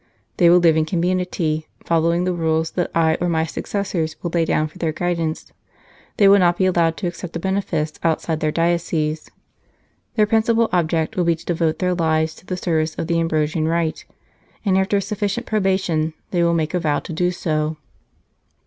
They will live in com munity, following the rules that I or my successors will lay down for their guidance. They will not be allowed to accept a benefice outside their diocese. Their principal object will be to devote their lives to the service of the Ambrosian Rite, and after a sufficient probation they will make a vow to do so.